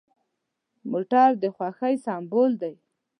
موټر د خوښۍ سمبول دی.